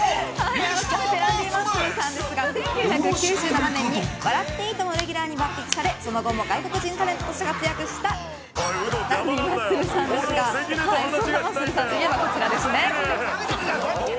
ミスターマッスルは１９９７年に「笑っていいとも！」のレギュラーに抜擢されその後も外国人タレントとして活躍したランディ・マッスルさんですがそんなマッスルさんといえばこちらです。